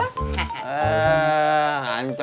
hancur saya terus hancur